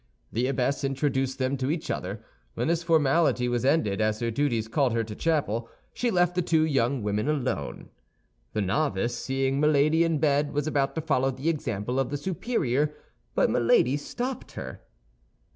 The abbess introduced them to each other. When this formality was ended, as her duties called her to chapel, she left the two young women alone. The novice, seeing Milady in bed, was about to follow the example of the superior; but Milady stopped her.